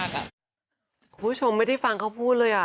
คุณผู้ชมไม่ได้ฟังเขาพูดเลย